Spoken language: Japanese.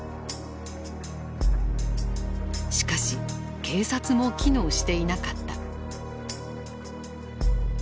しかし警察も機能していなかった。